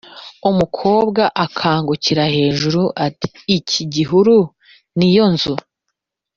Umukobwa akangukira hejuru, ati: "Iki gihuru ni yo nzu?